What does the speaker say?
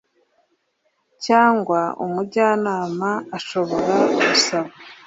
cyangwa umujyanama ashobora gusaba